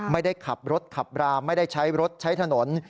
ไม่ได้ขับรถขับราไม่ได้ใช้รถใช้ถนน